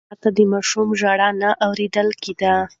انا ته د ماشوم ژړا نه اورېدل کېده.